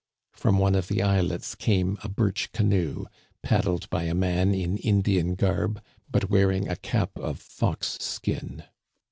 From one of the islets came a birch canoe, paddled by a man in Indian garb, but wear ing a cap of fox skin.